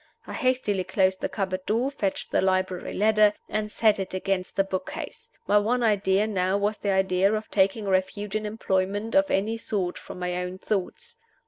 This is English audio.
I hastily closed the cupboard door, fetched the library ladder, and set it against the book case. My one idea now was the idea of taking refuge in employment of any sort from my own thoughts.